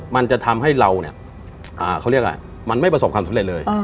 มันจะทำให้เรามันไม่ประสบความสำเร็จเลย